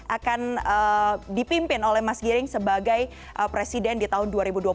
akan dipimpin oleh mas giring sebagai presiden di tahun dua ribu dua puluh